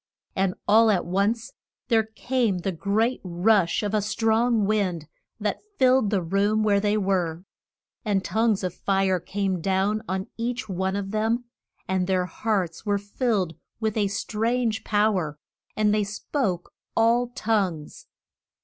And all at once there came the great rush of a strong wind that filled the room where they were. And tongues of fire came down on each one of them, and their hearts were filled with a strange pow er, and they spoke all known tongues.